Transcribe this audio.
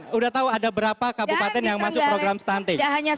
sudah tahu ada berapa kabupaten yang masuk program stunting